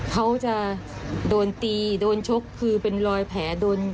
เขาจะโดนตีโดนชกคือเป็นรอยแผลโดน